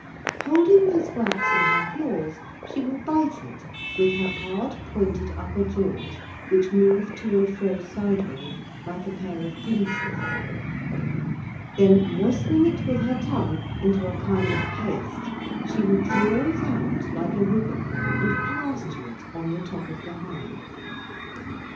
Holding this wax in her claws, she will bite it with her hard, pointed upper jaws, which move to and fro sideways like a pair of pincers, then, moistening it with her tongue into a kind of paste, she will draw it out like a ribbon and plaster it on the top of the hive.